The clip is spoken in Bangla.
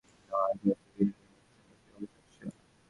আজ আর ললিতা ও বিনয়ের মধ্যে সংকোচের অবকাশ ছিল না।